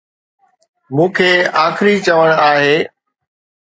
مون کي آخري چوڻ آهي.